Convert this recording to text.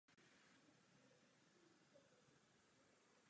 Část kanalizační sítě je otevřena pro veřejnost.